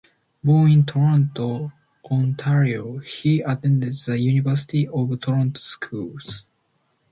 Born in Toronto, Ontario, he attended the University of Toronto Schools.